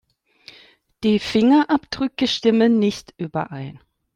Die Fingerabdrücke stimmen nicht überein.